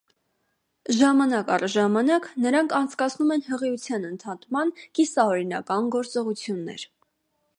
Ժամանակ առ ժամանակ նրանք անցկացնում են հղիության ընդհատման կիսաօրինական գործողություններ։